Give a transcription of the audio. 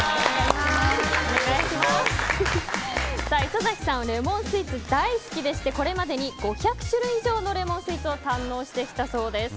磯崎さんはレモンスイーツ大好きでしてこれまでに５００種類以上のレモンスイーツを堪能してきたそうです。